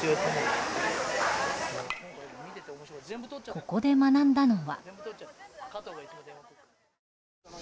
ここで学んだのは。